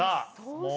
もう